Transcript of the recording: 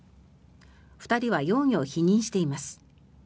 ２人は容疑を否認しています。